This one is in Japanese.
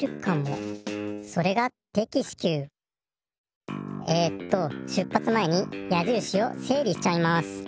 それがえっと出ぱつ前にやじるしをせい理しちゃいます。